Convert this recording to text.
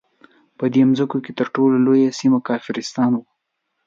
په دې مځکو کې تر ټولو لویه سیمه کافرستان وو.